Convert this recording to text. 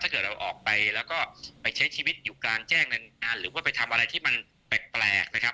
เกิดเราออกไปแล้วก็ไปใช้ชีวิตอยู่กลางแจ้งนานหรือว่าไปทำอะไรที่มันแปลกนะครับ